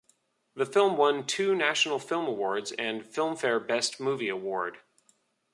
The film won two National Film Awards and Filmfare Best Movie Award.